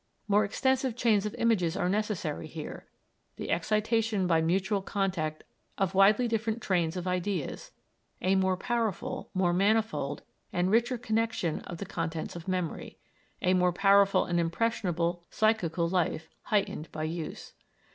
More extensive chains of images are necessary here, the excitation by mutual contact of widely different trains of ideas, a more powerful, more manifold, and richer connexion of the contents of memory, a more powerful and impressionable psychical life, heightened by use.